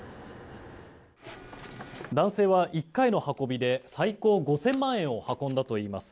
男性は１回の運びで最高５０００万円を運んだといいます。